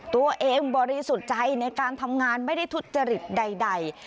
บริสุทธิ์ใจในการทำงานไม่ได้ทุจริตใด